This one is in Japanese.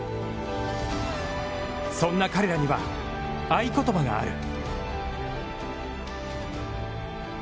そんな彼らには、合い言葉がある。